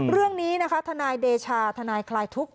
เรื่องนี้นะคะทนายเดชาทนายคลายทุกข